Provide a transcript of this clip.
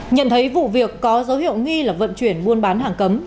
nhận thấy vụ việc có dấu hiệu nghi là vận chuyển buôn bán hàng cấm